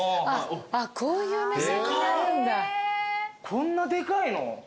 こんなでかいの？